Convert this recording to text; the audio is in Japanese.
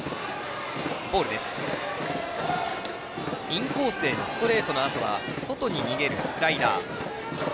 インコースへのストレートのあとは外に逃げるスライダー。